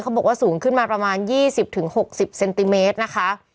บอกว่าสูงขึ้นมาประมาณ๒๐๖๐เซนติเมตรนะคะ